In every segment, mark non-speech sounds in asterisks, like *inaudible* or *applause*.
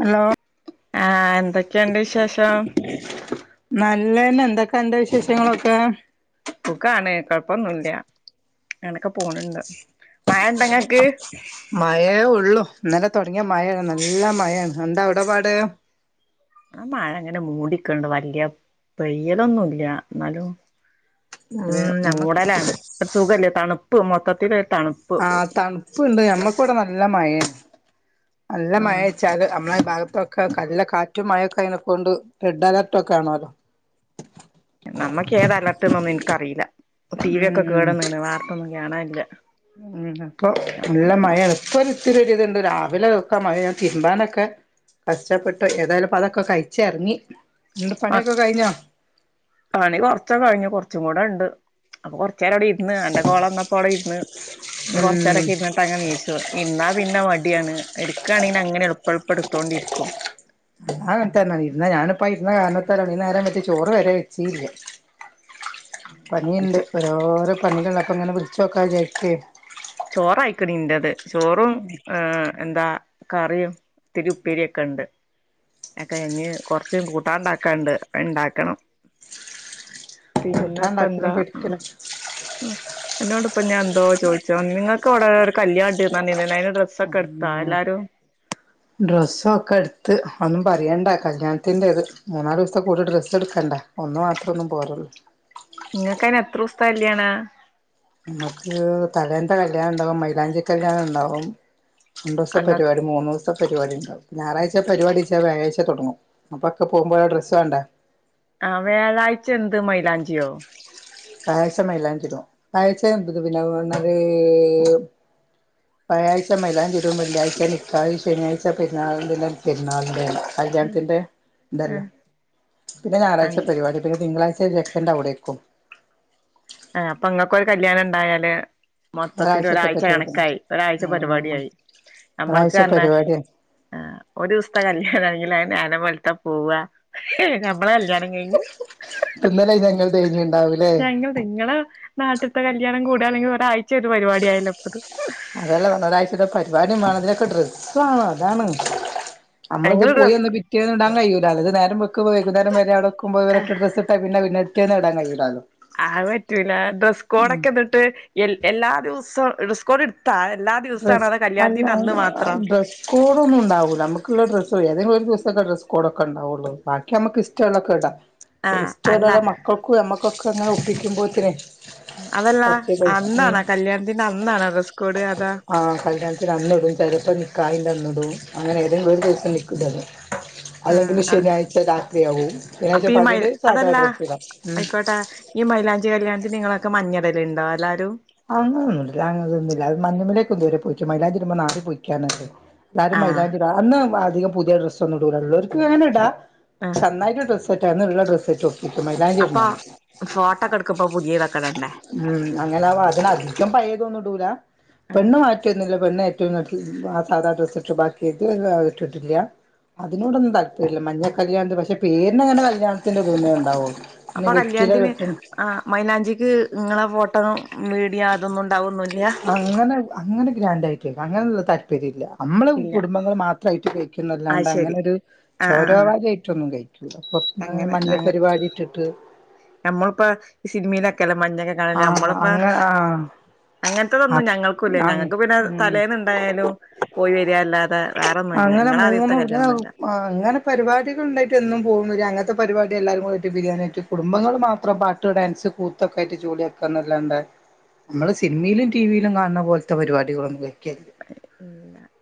Hello ആ എന്തൊക്കെണ്ട് വിശേഷം നല്ലന്നെ എന്തൊക്കാ അന്റെ വിശേഷങ്ങളൊക്കെ സുഖാണ് കൊഴപ്പൊന്നുല്ല അനക്ക പോണണ്ട് മഴണ്ടങ്ങക്ക് തൊടങ്ങിയ മഴേണ് നല്ല മഴേണ് എന്താ അവിടെപാട് ആ മഴങ്ങനെ മൂടിക്ക്ണ്ട് വല്ല്യയ പെയ്യലൊന്നുംല്ല ന്നാലും ത് ഉം ഞമ്മ മൂടലാണ് ത്ര സുഖല്ല തണു പ്പ് മൊത്തതിലേ ആ തണ്പ്പ്ണ്ട് അമ്മക്ക്വ്ടെ ന നല്ലമഴേ നല്ല ആഹ് മഴേച്ചാല് അമ്മളെ ഭാഗത്തൊ ക കല്ല കാറ്റും മഴക്കെ ആയിനെക്കൊണ്ട് റെഡ് അലർട്ടൊക്കെ ആണോല്ലോ നമ്മക്ക് ഏത് അലർട്ട്ന്നൊന്നും ഇന്ക്കറീല്ല ഉം കാണാനില്ല ഉം ഇപ്പൊ നല്ല മഴേണ് ഇപ്പൊര്ത്തിരി വര്ണ്ട് രാവിലൊക്കെ മഴെയാ ഞാൻ തിരുമ്പാനൊക്കെ കഷ്ടപ്പെട്ടൊയി. ഏതായാലും പ്പതൊക്കെ കയിച്ചെറങ്ങി. നിങ്ങള്ടെ മ പണിയൊക്കെ കഴിഞ്ഞോ പണി കൊറ്ച്ച്കഴിഞ്ഞു കൊറ്ച്ച്കൂടെണ്ട് അപ്പൊ കൊറ് ച്ചേരം അവ്ടെ ഇര്ന്ന് അന്റെ കോളന്നപ്പോള് അവിടെര്ന്ന് ഇനി ഉം കൊറച്ചേരൊക്കെ ഇരുന്നിട്ട് അങ്ങനെ നീച്ചും ഇര്ന്നാ പിന്നെ മടിയാണ് ഇട് ക്കാണേണങ്ങനെ എ ആഹ് ൺക്കര്ഞ്ഞാ ഇര്ന്നേ ഞാന്പ്പം ഇര് ന്ന കാരണത്താലാണ് ഈ നേരം വെച്ച് ചോറ് വരെ വെച്ചീല്ല പഞ്ഞിണ്ട് ഓരോരോ പണികളൊ പ്പങ്ങനെ വിളിച്ചോക്കാജാരിക്കേ ചോറായിക്കണ് ഇന്റെത് ചോറും ഏ എന്താ കറിയും ത്തിരി ഉപ്പേരിയൊക്കെണ്ട് അക്കെയ്ഞ്ഞ് കൊറച്ച് കൂട്ടാണ്ടാക്കാണ്ട് അയ്ണ്ടാക്കണം കൂട്ടാണ്ടാക്കലും പിന്നെപ്പന്താ ആ പിടിക്കലും ആ അന്നോട്പ്പം ഞാൻ *unintelligible* ച്ചോ നിങ്ങക്ക് ഇവ്ടെ ഒരു കല്ല്യാണ്ട്ന്നറിഞ്ഞീനല്ലോ അയ്ന് ഡ്രെസ്സൊക്കെട്ത്തൊ എല്ലാരും പരയണ്ട കല്യാണത്തിന്റെത് മൂന്നാലൊസ്ത്ത കൂടി ഡ്രസ്സെട്ക്കണ്ടെ ഒന്നു മാത്രൊന്നും പോരല് ങ്ങക്ക് അയിന് എത്രൊസ്ത്ത കല്ല്യാണാ മ്മക്ക് തലേന്നത്തെകല്യാണണ്ടാവും. മൈലാഞ്ചി കല്യാണണ്ടാവും രണ്ടൂസ അന്ന പരിപാടി മൂന്നൂസ്ത്തെ പരിപാടി ണ്ടാവും ഞായറാഴ്ച പരിപാടിച്ചാ വ്യാഴായ്ച തൊടങ്ങും. അപ്പൊക്കെ പോകുമ്പോ രൊ ഡ്രസ്സ് വേണ്ടെ ആ വ്യാഴാഴ്ച എന്ത് മയിലാഞ്ചിയോ? വ്യാഴാഴ്ച മൈലാഞ്ചിടും. വ്യായാഴ്ച *unintelligible* വ്യാഴായ്ച മൈലാഞ്ചിടും വെള്ളിയാഴ്ച നിക്കാഹ്, ശനിയാഴ്ച പെരുന്നാൾദിനം, പെരുന്നാൾൻ്റെ ല്ല കല്യാണത്തിന്റെ ഇതല്ലും. ഏഹ് പിന്നെ ഞായറാഴ്ച അങ്ങ് പരിപാടി പിന്നെ തിങ്കളാഴ്ച ചെക്കൻ്റെ അവ്ടേക്കും. ആ അപ്പൊ ഇങ്ങക്കൊരു കല്യാണം ണ്ടായാല്. മൊത്തത്തിൽ ഒരാഴ്ചത്തെ ഒരാഴ്ച പരിപാടിയാണ് കണക്കായി. ഒരാഴ്ച ഉം പരിപാടിയായി. നമ്മൾക്ക് ഒരാഴ്ച പർഞാ പരിപാടിയാ ആഹ് ഒരു ദൂസത്തെ കല്യാണം ആയി ലേ നേരം വെൾത്താ പോവാ, നമ്മള കല്യാണം കഴിഞ്ഞു തിന്നലായി ഞങ്ങൾ തേഞ്ഞി ഞങ്ങൾ നിങ്ങള നാട്ടിത്ത കല്ല്യാണം കൂ ടാണെങ്കി ഒരാഴ്ച്ചയായിട്ട് പരിപാടിയായല്ലോ ഇപ്പത് അതല്ലേ പറഞ്ഞെ ഒരാഴ്ചത്തെ പരിപാടിയും വേണം ഇതിനൊക്കെ ഡ്ര സ് വേണം അതാണ് നമ്മളിത് ഞങ്ങള് പോയി ഡ്രസ് വന്ന് പിറ്റേന്നിടാൻ കഴിയോ ടാലോ ഇത് നേരം വെള് ക്കും വൈകുന്നേരം ആടെക്ക്മ്പോ ഇവരൊറ്റ ഡ്രസ് ഇട്ടാ പിന്ന പിന്നെ പിറ്റേന്ന് ഇടാൻ കഴിയുല്ലാലോ ആത് പറ്റൂലാ ഡ്രസ്സ് കോഡൊക്കെന്നിട്ട് എ എല്ലാ ദിവസവും ഡ്രസ്സ്‌ സ്കോഡിട് ഡ്രസ് അല്ല മാത്രോ ആഹ് ഡ്രസ്സ് കോഡൊന്നും ഉണ്ടാവൂല്ല മ്മക്കുള്ള ഡ്രസ്സോ ഏതെങ്കിലും ഒരു ഒരു ദിവസൊക്കെ ഡ്രസ് കോഡൊക്കെണ്ടാവുള്ളു ബാക്കി അമ്മക്ക് ഇഷ്ടമുള്ളൊക്കെ ഇടാ ആഹ് അല്ല ഇസ്റ്റൊരോളെ മക്കൾക്കും നമ്മക്കൊ ക്ക അപ്പ ഇങ്ങള് ഒപ്പിക്കുമ്പോത്തന് അതല്ലാ അന്നാണാ കല്ല്യാണത്തിന്റെ അന്നാണാ ഡ്രസ്കോഡ് അതാ കല്ല്യാണത്തിനന്നിടും ചെലപ്പോം നിക്കാഹിന്റന്നിടും അങ്ങനെ ഏതെങ്കിലും ഒരു ദിവസം നിക്ക് ഇതിടും ആ അ ശനിയാഴ്ച അപ്പൊ ഈ മഴ് പകല് സാധാ അതല്ല ഡ്രസ് ഇടാം ഉം ആയിക്കോട്ടെ ഈ മൈലാഞ്ചി കല്യാണത്തിന് നിങ്ങളൊക്കെ മഞ്ഞളി തിണ്ട എല്ലാരും അങ്ങനൊന്നുല്ല അങ്ങനൊന്നുല്ല അത് മഞ്ഞുമല് ഇതുവരെ പോയിട്ടില്ല മൈലാഞ്ചി ഇടുമ്പോ നാട് പോയ് *unintelligible* എല്ലാരും ആഹ് മൈലാഞ്ചിടാ അന്ന് വാ അധികം പുതിയ ഡ്രസ് ഒന്നു ഇടൂല്ലല്ലോ ഓരിക്ക് വേണെ ഇടാ ചെന്നായിടെ ഡ്രസ്സ്‌ ഇപ്പ *unintelligible* ഡ്രസ്സ്‌ ഇട്ടോ അപ്പ ഫോട്ടക്ക എടുക്കുമ്പ? പുതിയതക്ക ഇടണ്ടേ ഉം അങ്ങനെ അധിക്കം പഴയതൊന്നും ഇടൂല്ല പെണ്ണു മാറ്റേന്നുവില്ല പെണ്ണേ *unintelligible* സാദാ ഡ്രസ്സ്‌ ഇട്ട് ബാക്കി *unintelligible* ഇട്ടിട്ടില്ല അതിനോടൊന്നും താല്പര്യം ഇല്ല മഞ്ഞ കല്യാണത്തിനു പക്ഷെ പേരിനങ്ങനെ കല്ലിയാണത്തിന്റെ ഇതേപോലെ തന്നേ ഇണ്ടാവൊള്ളു അപ്പൊ കല്യാണത്തിന് ആ മൈലാഞ്ചിക്ക് ഇങ്ങളെ ഫോട്ടോ മീഡിയ അതൊന്നു അങ്ങനെ അങ്ങനെ ഗ്രാൻ്റ് ആയിട്ട് അങ്ങനൊള്ള ത *unintelligible* നമ്മള് ഇല്ല കുടുംബങ്ങൾ മാത്രായിട്ട് കഴിക്കുന്ന അത് അല്ലാണ്ട് ശരി അങ്ങനെ ഒരു ആ ആ ആ ചോരോവാരിയായിട്ടൊന്നും കഴിക്കൂല്ല പൊർത്ത്ന്നങ്ങനെ മഞ്ഞ പരിപാടിട്ടിട്ട് നമ്മളിപ്പൊ സിനിമയിലൊക്കെ ക്കല മഞ്ഞൊക്കെ കാണല് ആ നമ്മളിപ്പോ അങ്ങ ആ അങ്ങൻത്തതൊന്നും ഞങ്ങൾക്കുല്ല അങ് ഞങ്ങക്ക് പിന്നെ ഉം തലേന്നെന്തായാലും പോയി വരല്ലാതെ വേറൊന്നുല്ല അങ്ങനെ ഇങ്ങളെ മാര്ത്തെ മൂന്ന് കല്യാണൊന്ന ല്ല അങ്ങനെ പരിപാടികൾ ഉണ്ടായിട്ട് എന്നും പോകുന്നില്ല അങ്ങനത്തെ പരിപാടി എല്ലാരും കൂടീട്ട് പിരിയാനായിട്ട് കുടുംബങ്ങൾ മാത്രം പാട്ട് ഡാൻസ് കൂത്തൊക്കെ ആയിട്ട് ജോലിയാക്കന്നല്ലാണ്ടെ നമ്മള് സിനിമയിലും ടി വിയിലും കാണ പോലത്തെ പരിപാടികളൊന്നും കഴിക്കലില്ല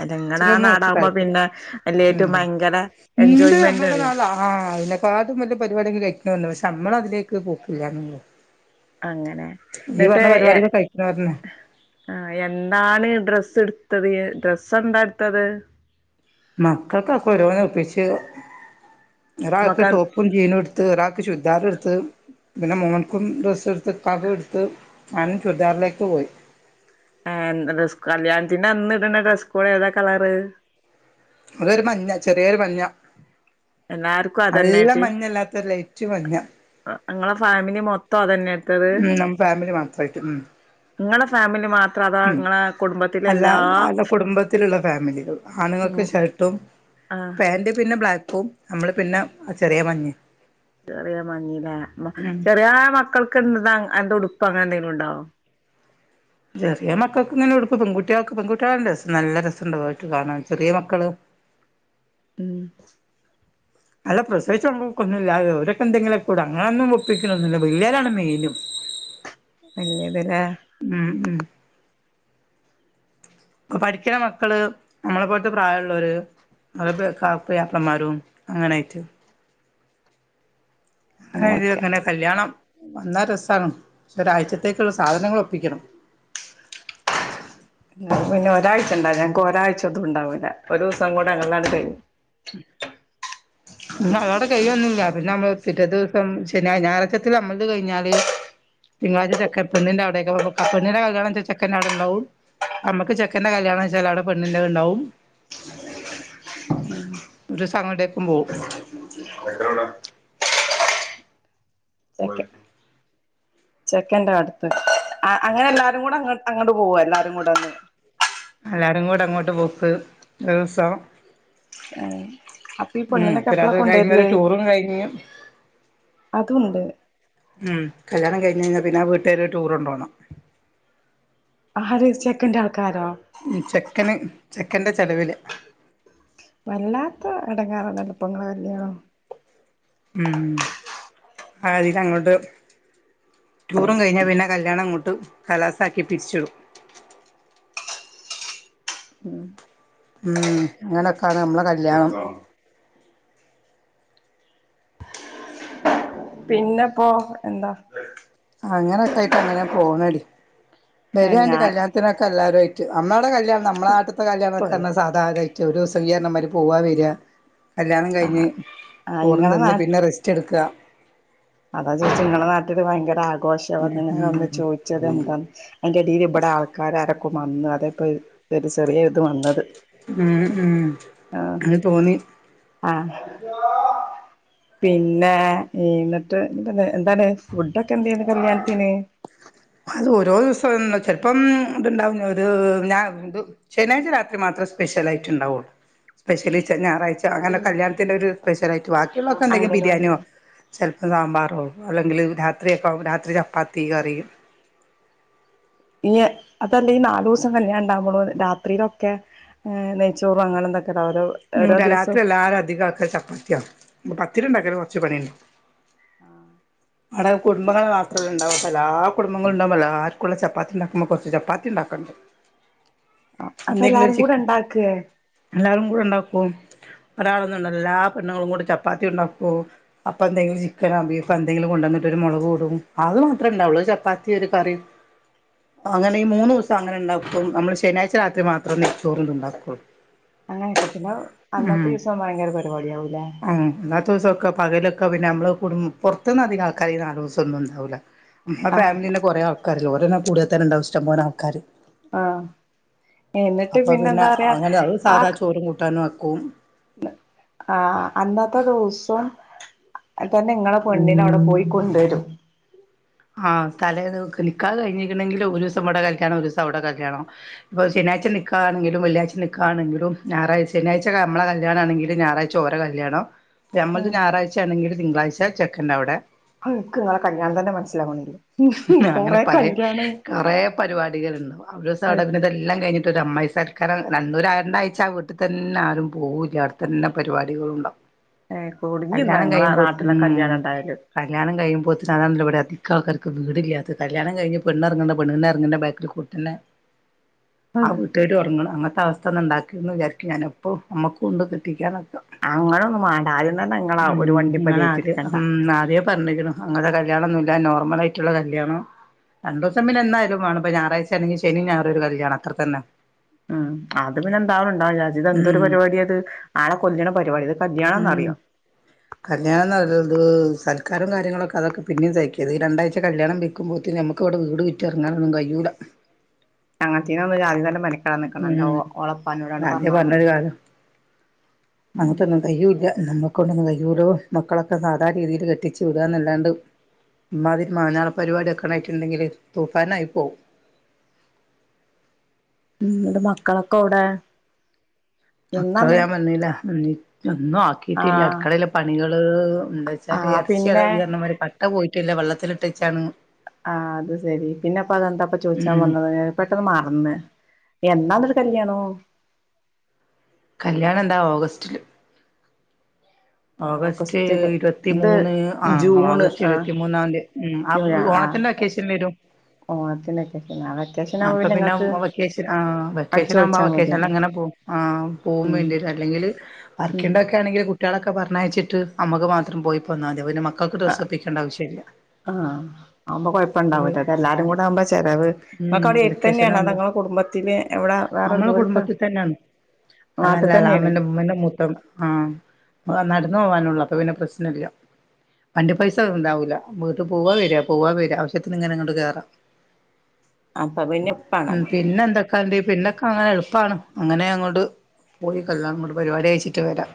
അല്ല ഇങ്ങടെ ആ ഇതിനൊന്നും എനിക്ക് നാടാവുമ്പം താല്പര്യം പിന്നെ എല്ലേയിട്ടും ഉം ഭയങ്കര എൻജോയ്മെന്റ് ആണ് പ്പൊ ആരും വല്ല്യ പരിപാടി ഒന്നും കഴിക്ക്ണില്ല പക്ഷെ നമ്മള് അതിലേക്ക് പോക്കില്ലാന്നൊള്ളു അങ്ങനെ ന്നിട്ട് ഏ കഴിക്കണോരന്നെ ആ എന്താണ് ഡ്രസ്സ്ട് ത്തതീയാ ട്രസ്സെന്താടുത്തത് മക്കൾക്കൊക്കെ ഓരോന്നൊപ്പിച്ച് ഒരാൾക്ക് മക്ക ടോപ്പും ജീനുടുത്ത് ഒരാൾക്ക് ചുരുദാറ്ടുത്ത് പിന്നെ മോൻകും ഡ്രസ്സ് ത്ത് ഇക്കാക്കും ടുത്ത് ഞാൻ ചുരിദാറിലേക്ക് പോയി എ ന്താ ഡ്രസ് കല്യാണത്തിന്റെ അന്ന് ഇട്ണ ഡ്രസ്സ് കോഡ് ഏതാ കളറ് അതൊരു മഞ്ഞ ചെറിയൊരു മഞ്ഞ എല്ലാർക്കും നല്ല അതന്നെയായിട്ട് മഞ്ഞല്ലാത്തൊരു ലൈറ്റ് മഞ്ഞ നിങ്ങളെ ഫാമിലി മൊ ഉം നമ്മ ഫാമിലി മാത്രായിട്ട് ഉം ഇങ്ങളെ ഫാമിലി മാത്രം അതാ ഉം ഇങ്ങളെ കുടുംബത്തിലെ അല്ല എല്ലാ അല്ല കുടുംബത്തിലുള്ള ഫാമിലികൾ ആണുങ്ങൾക്ക് ഷർട്ടും ആഹ് പാന്റ് പിന്നെ ബ്ലാക്കും നമ്മള് പിന്നെ ചെറിയ മഞ്ഞയാ ചെറിയ മഞ്ഞലേ ചെറിയാ മക്കൾ ക്ക്ന്നാ അത് ന്തോ ഉടുപ്പ് അങ്ങനെ എങ്ങനെന്തെലുംണ്ടോ ചെറിയ മക്കൾക്ക് ഇങ്ങനെ ഉടുപ്പ് പെൺകുട്ടികൾക്ക് പെൺകുട്ടികൾടെ ഡ്രസ്സ് നല്ല രസുണ്ടാവും അതിട്ട് കാണാൻ ചെറിയ മക്കള് ഉം അല്ല പ്രസവിച്ചൊന്നും കുഞ്ഞ് *unintelligible* ഇരൊക്കെ എന്തെങ്കിലൊക്കെ ഇടും അങ്ങനൊന്നും ഒപ്പിക്കലൊന്നുല്ല പിള്ളേരാണ് മെയിനും വല്ല്യ പെരാ ഉം ഉം ഇപ്പം പഠിക്ക്ണ മക്കള് നമ്മളെപ്പോലത്തെ പ്രായ *unintelligible* പുയ്യാപ്പ്ളമാരും അങ്ങനായിട്ട് അങ്ങനൊക്കെയാ *unintelligible* കല്യാണം വന്നാ രസാണ് പക്ഷോരാഴ്ചത്തേക്കുള്ള സാധനങ്ങളൊപ്പിക്കണം പിന്നെ ഒരാഴ്ച ഉണ്ടാകാ ഞങ്ങക്ക് ഒരാഴ്ച്ച അതു ഉണ്ടാവൂല്ല ഒരൂസം ക്കൂടെ ഞങ്ങളട്ത് കയിഞ്ഞ് ഇന്ന് അവിടെ കഴിയൊന്നൂല്ല പിന്നെമ്മള് പിറ്റേ ദിവസം ശനിയാ ഞായറാഴ്ച്ചത്തില് ഞമ്മൽത് കഴിഞ്ഞാല് തിങ്കളാഴ്ച ചെക്ക പെണ്ണിന്റെ അവിടേക്കപ്പപ്പോ കപ്പ പെണ്ണിന്റെ കല്യാണം വെച്ചാ ചെക്കന്റെ അവിടെണ്ടാവും അമ്മക്ക് ചെക്കന്റെ കല്യാണച്ചാൽ അവിടെ പെണ്ണിന്റ ഉണ്ടാവും ഒരൂസങ്ങട്ടേക്കും പോവും ചെക്കൻന്റെ അടുത്ത് ആ അങ്ങനെ എല്ലാരുംകൂടെ അങ്ങോ അങ്ങോട്ട് പോവാല്ലാരും കൂടെ അന്ന് എല്ലാരുംകൂടെ അങ്ങോട്ട് പോക്ക് ഒരുസ് തോ അപ്പൊ ഈ മ് പെണ്ണിനൊക്കെ പിന്ന എപ്പളാ അതും കഴിഞ്ഞൊരു കൊണ്ടുവരല് ടൂറും കഴിഞ്ഞു അതുണ്ട് മ് കല്യാണം കഴിഞ്ഞഴിഞ്ഞ പിന്ന വീട്ട്കാര് ടൂറൊണ്ടോണം ആര് ചെക്കന്റെ ആൾ ഉം ചെക്കന് ചെക്കന്റെ ചെലവില് വല്ലാത്ത ഇടങ്ങേറാണല്ലെപ്പൊ ഇങ്ങളെ കല്യാണം ഉം ആ അതികങ്ങോട്ട് ടൂറും കഴിഞ്ഞാ പിന്നെ കല്യാണങ്ങോട്ട് കലാസ ആക്കി പിരിച്ചുടും ഉം ഉം അങ്ങനൊക്കാണ് നമ്മള കല്യാണം പിന്നെപ്പോ എന്താ അങ്ങനത്തായിട്ട് അങ്ങനെ പോണെടി വര്യാണ്ട് ഞാൻ കല്യാണത്തിനൊക്കെ എല്ലാരു ആ അമ്മാടെ ക ല്ല്യാ നമ്മള നാട്ടിത്ത കല്യാണൊക്ക പറഞ്ഞാ പറയട്ടെ സാധ ഇതാ ഓരോസോ ഇയ്യ് പറഞ്ഞ മാതിരി പോവാ വര്യാ കല്യാണം ആ കഴിഞ്ഞ് ആ ചോറും ഇങ്ങളെ നാ തിന്ന് പിന്നെ റെസ്റ്റ് എടുക്കുക അതാ ചോദിച്ച നിങ്ങളെ നാട്ടില് ഭയങ്കര ആ ഉം ഘോഷവത്തിന് നമ്മള് ചോദിച്ചത് എന്താന് അയിന്റിടിയിൽ ഇവിടെ ആൾക്കാരാരോ കോ മന്ന് അതപ്പൊ ഒരു ചെറിയ ഇത് വന്നത് ഉം ഉം അത് തോന്നി ആ പിന്നെ എന ട്ട് എതൊന്ന് എന്താണ് ഫുഡ് ഒക്കെ എന്തേയ്ത് കല്യാണത്തിന് അത് ഓരോ ദിവസരോന്ന് ചെൽപ്പം ഇത്ണ്ടാവുന്ന ഇത് ഞാ ഇത് ശനിയാഴ്ച രാത്രി മാത്രമേ സ്പെഷ്യൽ ഐറ്റം ഉണ്ടാവുള്ളൂ സ്പെഷ്യല് ഞായറഴ്ച അങ്ങനെ കല്യാണത്തിൻറെ ഒരു സ്പെഷലായി ബാക്കിയുള്ളൊക്കെ എന്തെങ്കില അംഗൻവാടി ബിരിയാണിയോ ചെല സാമ്പാറോ അല്ലെങ്കില് രാത്രിയൊക്ക രാത്രി ചപ്പാത്തി കറിയും ഇയ്യേ അതല്ലേ ഈ നാലോസം കല്യാണുണ്ടാകുള്ളൂ രാത്രിയിലൊക്കെ ഏ നെയ്ച്ചോറും അങ്ങനെന്തൊക്കെ മ്മ് ഇല്ല രാത്രി എല്ലാരും അധികം ആക്കല് ചപ്പാത്തിയാ പത്തിരിണ്ടാക്കല് ച്ച് പണിണ്ട് ആ അടെ കുടുംബങ്ങൾ മാത്രമല്ല ഉണ്ടാവപ്പൊ എല്ലാ കുടുംബങ്ങളൾ ഉണ്ടാവുമ്മോ എല്ലാരും കുള്ള ചപ്പാത്തിയുണ്ടാക്കുമ്പ കൊറച്ച് ചപ്പാത്തി ഉണ്ടാക്കണുണ്ട് ആ അപ്പൊ എല്ലാരും കൂടെ ഉണ്ടാക്ക്കെ ഒരാളൊന്നും ഉണ്ടാക്കില്ല എല്ലാ പെണ്ണുങ്ങളും കൂടെ ചപ്പാത്തി ഉണ്ടാക്കോ അപ്പൊ എന്തെങ്കിലും ചിക്കനോ ബീഫോ എന്തെങ്കിലും കൊണ്ടുവന്നിട്ട് ഒരു മുളക് കൂടും അത് മാത്രമേ ഉണ്ടാവുള്ളൂ ഒരു ചപ്പാത്തി ഒരു കറി അങ്ങനെ ഈ മൂന്നൂസം അങ്ങനെ ഉണ്ടാക്കും നമ്മള് ശനിയാഴ്ച രാത്രി മാത്രം നെയ്ച്ചോറ് ഉണ്ടാക്കുള് അ *inaudible* പിന്നെ അന്നത്തെ ദിവസം ഭയങ്കര പരിപാടി ആവൂലേ പ ദിവസംൊക്കെ പകലൊക്കെ പിന്നെ സൊക്കെ പകലൊക്കെ പിന്നെ നമ്മള് കുടും പുറത്ത്നിന്ന് അധിക ആൾക്കാര് ഈ നാല് ദിവസം ഒന്നും ഉണ്ടാവൂല്ല ആ ആഹ് ഫാമിലിന്നെ കൊറെഅ കാരല്ലേ ഓരന്നെ കൂടിയ തന്നിണ്ടാവും ഇഷ്ടംപോലെ ആൾക്കാര് ആ എന്നിട്ട് അപ്പൊ പിന്നെ എന്താ പറയാ ആ മക്കും ആ അന്നത്തെ ദിവസം തന്നെ നിങ്ങള് പെണ്ണിനെ അവിടെ പോയി കൊണ്ടുവരും ആ തലേത് നിക്കാഹ് കഴിഞ്ഞേക്കണെങ്കിലും ഒരു ദിവസം വ്ടെ കല്യാണം ഒരു ദിവസം അവിടെ കല്യാണം ഇപ്പൊ ശനിയാഴ്ച നിക്കാഹാണെങ്കിലും വെള്ളിയാഴ്‌ച നിക്കാഹാണെങ്കിലും ഞായാഴ്ച ശനിയാഴ്ച മ്മളെ കല്യാണാണെങ്കിലും ഞായറാഴ്ച ഓരെ കല്യാണം ഞമ്മക്ക് ഞായറാഴ്ച ആണെങ്കില് തിങ്കളാഴ്ച ചെക്കന്റവിടെ ആ നിക്ക് നിങ്ങടെ കല്യാണം തന്നെ മനസ്സിലാവണില്ല അങ്ങനെ കൊറെ പല കല്യാണം കൊറെ പരിപാടികളുണ്ട് ഒരോസം അവടെ കിടന്നിതെല്ലാം കഴിഞ്ഞിട്ട് ഒരു അമ്മായി സാ കാരണം രണ്ടൂര രണ്ടാഴ്ച്ച ആ വീട്ടിൽ തന്നെ ആരും പോകൂല്ല അവിടതന്നെ പരിപാടികളുണ്ടാവും കുടുങ്ങി കല്യാണം ഞങ്ങളെ കഴിയുമ്പ നാട്ടിലെ ഉം കല്യാണം ഉണ്ടായാല് കല്യാണം കഴിയുമ്പോത്തിട്ടാണല്ലോ ഇവിടെ അ കകര് വീടില്ലാത് കല്യാണം കഴിഞ്ഞ് പെണ്ണ ഇറങ്ങണ്ട പെണ്ണെ ഇറങ്ങണ്ട ബാക്കറി കൂട്ടന്നെ ആ വീട്ടുകാരും ഉറങ്ങണം അങ്ങനത്തെ അവസ്ഥ പെട്ടെന്നുണ്ടാക്കി എന്ന് വിചാരിക്കും ഞാനപ്പോൾ അമ്മക്ക കൊണ്ട് കിട്ടിക്കാനൊക്ക അങ്ങനൊന്നും മാണ്ടാ ആദ്യം തന്നെ നിങ്ങള ഉം ഒരു വണ്ടി പരിറ്റ എടുക്കണ്ട അങ്ങന കല്യാണംന്നുമില്ല നോർമലായിട്ട് മറ്റുള്ള കല്യാണം രണ്ടു ദിവസം പിന്നെ എന്നായാലും വേണം ഇപ്പ ഞായറാഴ്ച ആല്ലെങ്കിൽ ശനിം ഞായറൊരു കല്യാണം അത്ര തന്നെ ഉ അത് പിന്നെ എന്താവും ഉണ്ടാവത് ഇത് എന്തൊരു ഉം പരിപാടിയാ ഇത് ആളെ കൊല്ലണ പരിപാടിയ ഇത് ഉം കല്യാണാന്നറിയാം കല്യാണം നല്ലത് സൽക്കാരം കാര്യങ്ങളൊക്കെ അതൊക്കെ പിന്നേം സഹിക്കാം ഇത് രണ്ടാഴ്ച കല്യാണം വിൽക്കുമ്പോഴത്തേ ഞമ്മക്ക് ഇവിടെ വീട് വിറ്റ് ഇറങ്ങാനൊന്നും കൈയൂല അങ്ങനത്തീന്ന ജാതി തൻ പടിക്കാ ഉം നീക്കണുണ്ടാവും ഓളുപ്പനോട് പറഞ്ഞാൽ മതി അങ്ങ തന്നെ കയ്യൂല നമ്മുക്കൊണ്ടൊന്നും കൈയൂല മക്കളൊക്കെ സാധ രീതിയിൽ കെട്ടിച്ചു വിടുകന്നല്ലാണ്ട് ഇമ്മാതിരി മഞ്ഞാള പരിപാടി ഒക്കാണായിട്ടുണ്ടെങ്കില് തൂക്കാനായി പോവും നിങ്ങളുടെ മക്കളൊക്കെ എവിടെ മക്കള് എന്നാന്ന് ഞാൻ പറഞ്ഞില്ലേ ഒന്നും ആക്കിട്ടില്ല ആഹ് അടുക്കളയിലെ പണികള് എന്താ വെച്ചാല് ആഹ് ഇറച്ചി പിന്നെ രിയണമാതിരി കട്ട പോയി ട്ടില്ല വെള്ളത്തിലിട്ട് വെച്ചാണ് ആ അത് ശരി പിന്നെപ്പ അതെന്താപ്പ ചോദിച്ചാൻ ഉം വന്നത് പെട്ടെന്ന് മാറന്ന് കല്യാണോ *unintelligible* കല്യാണം എന്താ ഓഗസ്റ്റില് ഓഗസ്റ്റ് ഓഗസ്റ്റില് ഇത് ഇരുപത്തിമൂന്ന് ആ ജൂണ് ഓഗസ്റ്റ് ആഹ് ഇരുപത്തിമൂന്നാന്റെ ഉം ആ ഓണത്തിന്റെ വക്കേഷൻ വരും ഓണത്തിന് വെക്കേഷൻ ആ വെക്കേഷൻ ആവുമ്പോ അപ്പൊ പിന്നെ നിങ്ങൾക്ക് വക്കേഷൻ ആ അടിച്ചു വെക്കേഷൻ ആകുമ്പോ പൊളിച്ചാൽ വെക്കേഷനിൽ മതിയല്ലോ അങ്ങനെ പോവും ആ ഉം പോവുംവേണ്ടിട്ട് അല്ലെങ്കിൽ ഉം വർക്കിണ്ടാക്കെ ആണെങ്കിൽ കുട്ടികളാ ഒക്കെ പറഞ്ഞയച്ചിട്ട് അമ്മക്ക് മാത്രം പോയി പോന്നാതിയാ *unintelligible* ആ ആ ആവുമ്പോ കുഴപ്പണ്ടാവൂല്ലത് എല്ലാരും കൂടെ ആവുമ്പോ ചെലവ് ഉം നിങ്ങക്ക് അവിടെ വെക്കേഷൻ ഏത്തന്നെയാണ് ആകുമ്പോ നിങ്ങള കുടുംബത്തില് എവിടെ വേറൊരു നമ്മളെ ദൂരത്താ കുടുംബത്തിൽ തന്നെയാണ് അതല്ല നാട്ടിത്തന്നെയാണ് അമ്മന്റെ ഉമ്മന്റെ മൂത്ത ആഹ് നടന്നു പോകാനുള്ളൂ അപ്പ പിന്നെ പ്രശ്നമില്ല വണ്ടി പൈസ ഉണ്ടാവൂല്ല വീട്ട് പോവ വര്യാ പോവാ വര്യാ ആവശ്യത്തിന് ഇങ്ങനെ ഇങ്ങോട്ട് കേറാം അപ്പൊ പിന്നെ ഉം എളുപ്പാണല്ലോ പിന്നെ എന്തക്കാണ്ട് പിന്നെ അങ്ങനെ എളുപ്പാണ് അങ്ങനെ അങ്ങോട്ട് പോയി കല്ലാം അങ്ങോട്ട് പരിപാടി അയിച്ചിട്ട് വരാം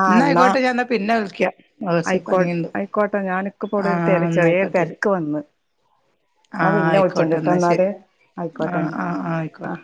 ആ എന്നാ ആയിക്കോട്ടെ ഞാൻ പിന്നെ വിളിക്കാം കുറച്ച് ആയിക്കോ പണിയുണ്ട് ആയിക്കോട്ടെ ഞാനിക്കപ്പോടെ ഒരു ആഹ് തിര ചെറിയരു എന്നായിക്കോട്ടെ തിരക്ക് വന്ന് ഞാൻ ആഹ് പിന്നെ ആയിക്കോട്ടെ വിളിച്ചോണ്ടിട്ടാ എന്നാ എന്നാല് ശരി ആഹ് ആയിക്കോട്ടെന്ന് ആഹ് ആഹ് ആ ആയിക്കോട്ടെ